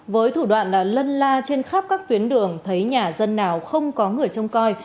với thủ đoạn lân la trên khắp các tuyến đường thấy nhà dân nào không có người trông coi